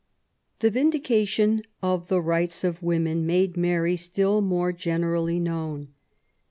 The Vindication of the Rights of Women made Mary still more generally known.